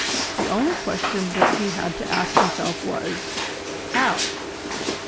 The only question that he had to ask himself was: How?